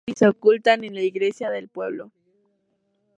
Estos logran escapar y se ocultan en la iglesia del pueblo.